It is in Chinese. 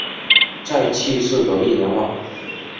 在去世的一年后